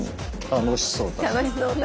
楽しそうだ。